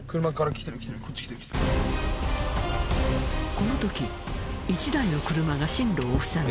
この時１台の車が進路を塞ぎ